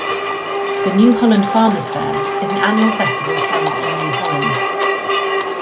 The New Holland Farmer's Fair is an annual festival held in New Holland.